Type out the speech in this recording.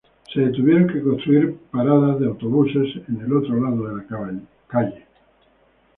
Se tuvieron que construir paradas de autobús en el otro lado de la calle.